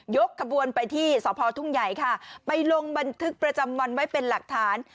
กระบวนไปที่สพทุ่งใหญ่ค่ะไปลงบันทึกประจำวันไว้เป็นหลักฐาน